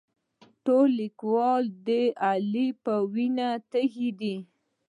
ټول کلیوال د علي د وینې تږي دي.